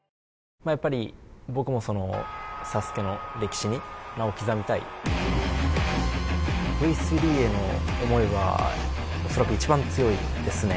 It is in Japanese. まあやっぱり僕もそのＳＡＳＵＫＥの歴史に名を刻みたいＶ３への思いは恐らく一番強いですね